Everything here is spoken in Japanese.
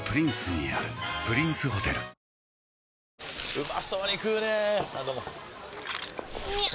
うまそうに食うねぇあどうもみゃう！！